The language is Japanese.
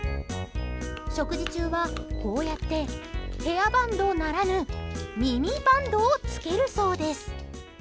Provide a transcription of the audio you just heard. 食事中は、こうやってヘアバンドならぬ耳バンドを着けるそうです。